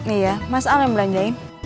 iya mas al yang belanjain